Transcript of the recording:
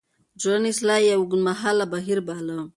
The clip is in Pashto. د ټولنې اصلاح يې اوږدمهاله بهير باله.